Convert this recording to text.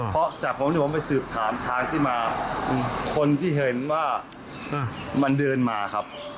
เพราะจากผมที่ผมไปสืบถามทางที่มาคนที่เห็นว่ามันเดินมาครับ